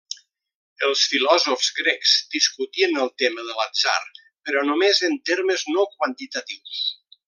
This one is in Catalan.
Els filòsofs grecs discutien el tema de l'atzar però només en termes no quantitatius.